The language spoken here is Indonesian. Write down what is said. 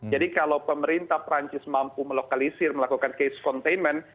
jadi kalau pemerintah perancis mampu melokalisir melakukan case containment